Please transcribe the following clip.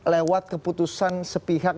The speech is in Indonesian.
lewat keputusan sepihak